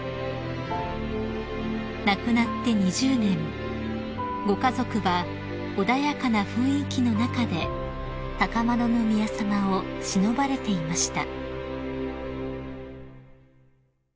［亡くなって２０年ご家族は穏やかな雰囲気の中で高円宮さまをしのばれていました］